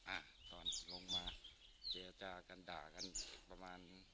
อ่ะตอนลงมาเจรจากันด่ากันประมาณ